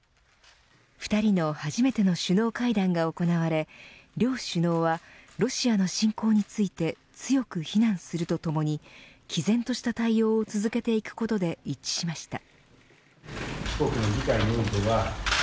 ２人の初めての首脳会談が行われ両首脳はロシアの侵攻について強く非難するとともにきぜんとした対応を続けていくことで一致しました。